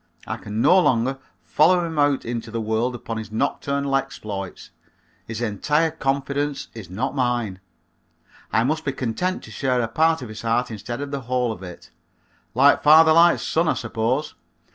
I can no longer follow him out into the world upon his nocturnal exploits. His entire confidence is not mine. I must be content to share a part of his heart instead of the whole of it. Like father like son, I suppose.